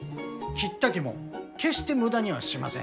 切った木も決して無駄にはしません。